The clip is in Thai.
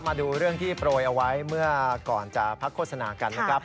มาดูเรื่องที่โปรยเอาไว้เมื่อก่อนจะพักโฆษณากันนะครับ